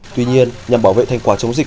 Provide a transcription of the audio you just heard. tuy nhiên nhằm bảo vệ thành quả chống dịch